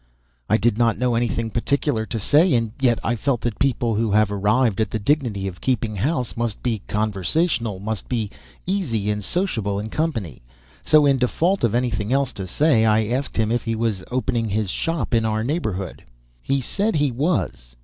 I did not know anything particular to say, and yet I felt that people who have arrived at the dignity of keeping house must be conversational, must be easy and sociable in company. So, in default of anything else to say, I asked him if he was opening his shop in our neighborhood. He said he was.